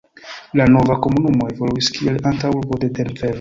La nova komunumo evoluis kiel antaŭurbo de Denvero.